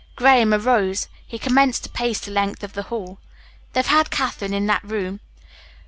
Graham arose. He commenced to pace the length of the hall. "They've had Katherine in that room.